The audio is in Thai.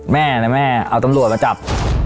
แม่นะแม่เอาตำรวจมาจับ